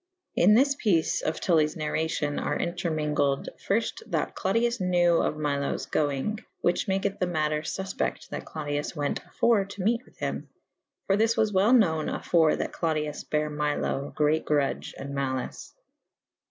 In this pece of Tullies narracyon are entermengled fyrfte that Clodius knewe of Miloes goynge/ whiche makethe th? mater ful'pecte that Clodius went afore to mete with him / for this was wel knowe« afore that Clodiaj bare Milo great gruge° & malyce.